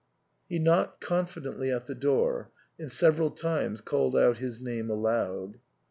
He knocked confidently at the door, and several times called out his name aloud.